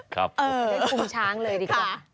ครับคุมช้างเลยดีกว่าค่ะเออ